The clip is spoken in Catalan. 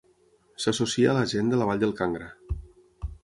S'associa a la gent de la vall del Kangra.